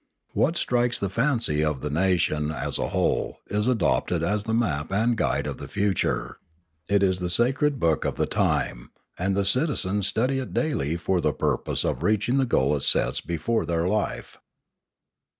What strikes the fancy of the nation as a whole is adopted as the map and guide of the future; it is the sacred book of the time, and the citizens study it daily for the purpose of reaching the goal it sets be fore their life.